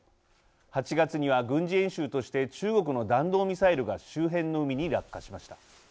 ８月には軍事演習として中国の弾道ミサイルが周辺の海に落下しました。